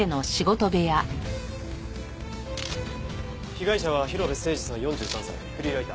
被害者は広辺誠児さん４３歳フリーライター。